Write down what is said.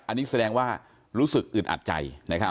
อันนี้แสดงว่ารู้สึกอึดอัดใจ